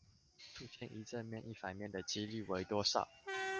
出現一正面一反面的機率為多少？